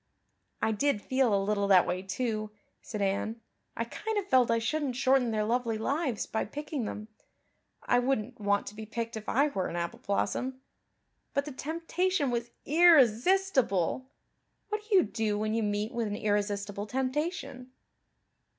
"I did feel a little that way, too," said Anne. "I kind of felt I shouldn't shorten their lovely lives by picking them I wouldn't want to be picked if I were an apple blossom. But the temptation was irresistible. What do you do when you meet with an irresistible temptation?"